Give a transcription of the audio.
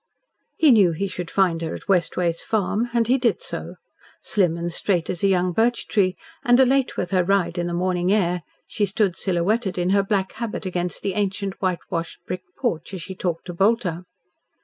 He knew he should find her at West Ways Farm, and he did so. Slim and straight as a young birch tree, and elate with her ride in the morning air, she stood silhouetted in her black habit against the ancient whitewashed brick porch as she talked to Bolter.